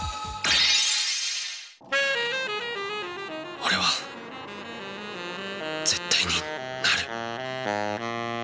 俺は絶対になる。